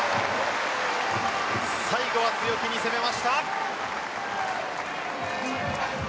最後は強気に攻めました。